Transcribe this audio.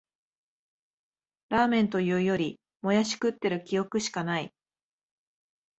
ラーメンというより、もやし食ってる記憶しかない